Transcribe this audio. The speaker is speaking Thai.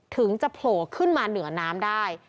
ถึงจะโผล่ขึ้นมาเหนือน้ำได้